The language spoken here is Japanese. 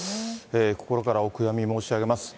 心からお悔やみ申し上げます。